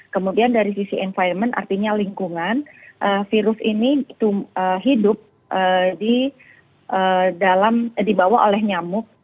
kemudian dari sisi environment artinya lingkungan virus ini hidup di dalam dibawa oleh nyamuk